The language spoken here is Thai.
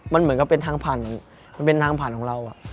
มันเหมือนกับเป็นทางผ่านของเราอะ